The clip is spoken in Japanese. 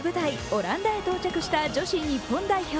オランダに到着した女子日本代表。